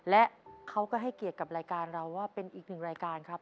และเขาก็ให้เกียรติกับรายการเราว่าเป็นอีกหนึ่งรายการครับ